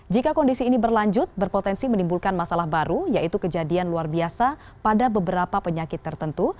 jika kondisi ini berlanjut berpotensi menimbulkan masalah baru yaitu kejadian luar biasa pada beberapa penyakit tertentu